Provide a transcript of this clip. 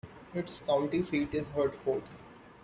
Its county seat is Hertford.